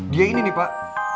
dia ini nih pak